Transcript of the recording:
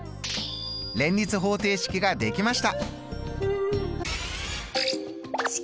連立方程式ができました！